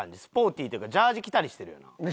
スポーティーというかジャージー着たりしてるよな。